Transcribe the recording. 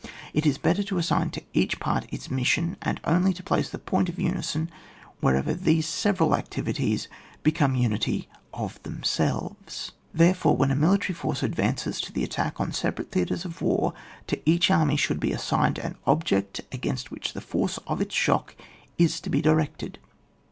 It is better to assign to each part its mission, and only to plskce the point of union wherever tiiese several activities become unity of them selves. Therefore, when a iniUtary force ad vances to the attack on separate theatres of war, to each army should be assigned an object against which the force of its shock is to be directed.